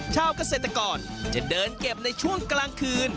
ชาวเกษตรกรจะเดินเก็บในช่วงกลางคืน